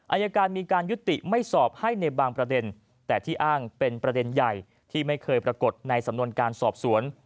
อายการมีการยุติไม่สอบให้ในบางประเด็นแต่ที่อ้างเป็นประเด็นใหญ่ที่ไม่เคยปรากฏในสำนวนการสอบสวน